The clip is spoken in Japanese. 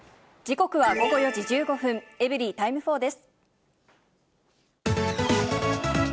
時刻は午後４時１５分、エブリィタイム４です。